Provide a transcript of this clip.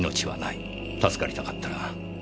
助かりたかったら逃げろ」。